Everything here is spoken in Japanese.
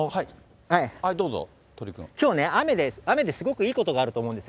どうぞ、鳥きょうは、雨で、すごくいいことがあると思うんです、